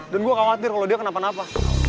dan gue khawatir kalau dia kenapa napa